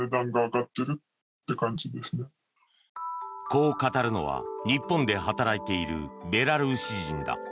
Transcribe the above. こう語るのは日本で働いているベラルーシ人だ。